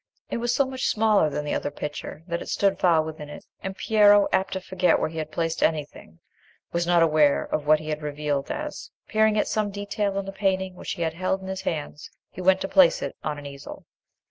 It was so much smaller than the other picture, that it stood far within it, and Piero, apt to forget where he had placed anything, was not aware of what he had revealed as, peering at some detail in the painting which he held in his hands, he went to place it on an easel.